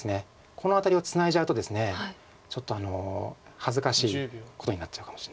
このアタリをツナいじゃうとですねちょっと恥ずかしいことになっちゃうかもしれない。